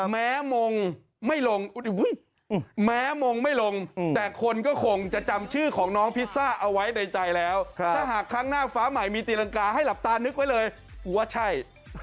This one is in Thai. แม้มงไม่ลงแม้มงไม่ลงแต่คนก็คงจะจำชื่อของน้องพิซซ่าเอาไว้ในใจแล้วถ้าหากครั้งหน้าฟ้าใหม่มีตีรังกาให้หลับตานึกไว้เลยว่าใช่